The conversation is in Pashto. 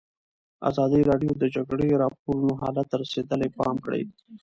ازادي راډیو د د جګړې راپورونه حالت ته رسېدلي پام کړی.